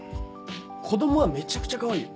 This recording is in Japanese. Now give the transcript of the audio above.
子供はめちゃくちゃかわいいよ。